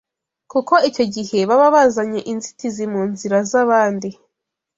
Kuko icyo gihe baba bazanye inzitizi mu nzira z’abandi